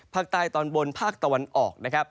ภาคใต้ตอนบนภาคตะวันออกนะครับ